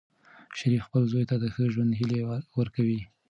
شریف خپل زوی ته د ښه ژوند هیلې ورکوي.